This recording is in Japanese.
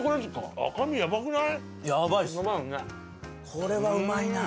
これはうまいな。